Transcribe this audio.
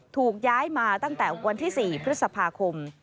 ถูกย้ายมาตั้งแต่วันที่๔พฤษภาคม